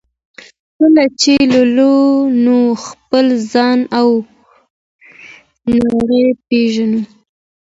کله چي لولو نو خپل ځان او نړۍ پېژنو.